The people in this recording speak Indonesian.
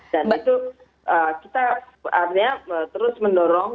dan itu kita artinya terus mendorong